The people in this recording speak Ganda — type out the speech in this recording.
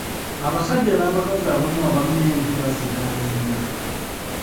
Abasajja n'abakazi abamu abalina envi bazidaayinga.